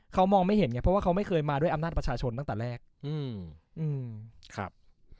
เขามองไม่เห็นไงเพราะว่าเขาไม่เคยมาด้วยอำนาจประชาชนตั้งแต่แรกอืมครับ